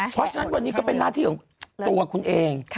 เพราะฉะนั้นวันนี้ก็เป็นหน้าที่ของตัวคุณเอง